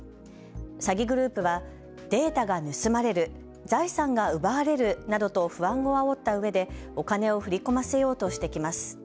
詐欺グループはデータが盗まれる、財産が奪われるなどと不安をあおったうえでお金を振り込ませようとしてきます。